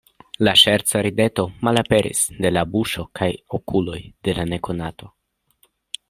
La ŝerca rideto malaperis de la buŝo kaj okuloj de la nekonato.